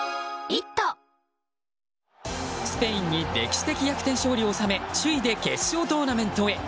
スペインに歴史的逆転勝利を収め首位で決勝トーナメントへ。